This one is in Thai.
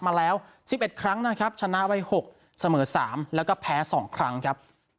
มาแล้วสิบเอ็ดครั้งนะครับชนะไว้หกเสมอสามแล้วก็แพ้สองครั้งครับ